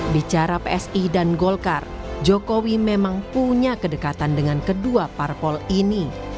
bicara psi dan golkar jokowi memang punya kedekatan dengan kedua parpol ini